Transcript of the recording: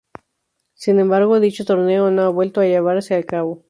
Sin embargo, dicho torneo no ha vuelto a llevarse a cabo.